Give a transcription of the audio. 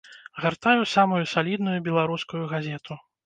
Гартаю самую салідную беларускую газету.